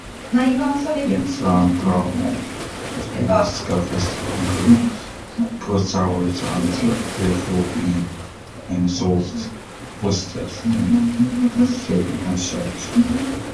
Jameson land triassic fossils include prosauropod and theropod dinosaurs, phytosaurs, temnospondyls, and sharks.